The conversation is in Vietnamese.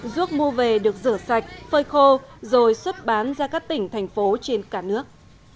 ruốc mua về được rửa sạch phơi khô rồi xuất bán ra các tỉnh thành phố trên cả nước